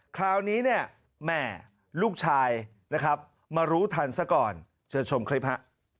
คราวนี้เนี่ยแม่ลูกชายนะครับมารู้ทันซะก่อนเชิญชมคลิปฮะ